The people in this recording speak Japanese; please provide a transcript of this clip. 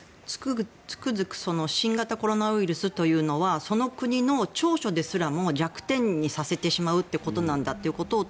つくづく新型コロナウイルスというのはその国の長所ですらも弱点にさせてしまうということなんだということを